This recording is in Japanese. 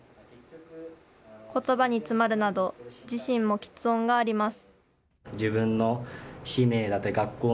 ことばに詰まるなど、自身もきつ音があります。